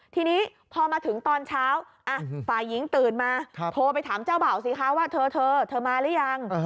ทีนี้พอมาถึงตอนเช้าฝ่ายหญิงตื่นมาโทรไปถามเจ้าบ่าวสิคะว่าเธอเธอมาหรือยัง